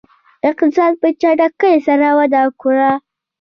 اقتصاد په چټکۍ سره وده وکړه.